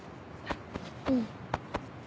うん。